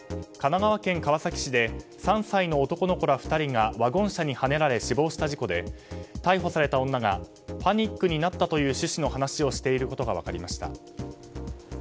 神奈川県川崎市で３歳の男の子ら２人がワゴン車にはねられ死亡した事故で、逮捕された女がパニックになったという趣旨の話をしていることが分かりました。